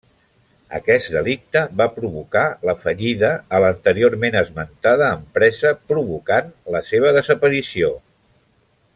Aquest delicte va provocar la fallida a l'anteriorment esmentada empresa provocant la seva desaparició.